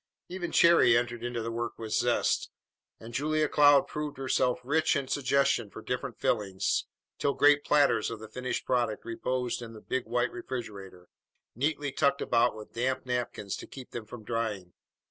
Even Cherry entered into the work with zest, and Julia Cloud proved herself rich in suggestion for different fillings, till great platters of the finished product reposed in the big white refrigerator, neatly tucked about with damp napkins to keep them from drying.